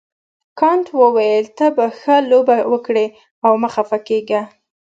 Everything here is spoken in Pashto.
کانت وویل ته به ښه لوبه وکړې او مه خفه کیږه.